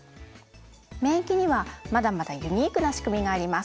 免疫にはまだまだユニークなしくみがあります。